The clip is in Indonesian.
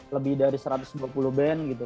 lebih dari satu ratus dua puluh band gitu